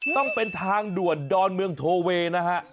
ต้องเป็นทางด่วนดอนเมืองโทเวย์นะฮะ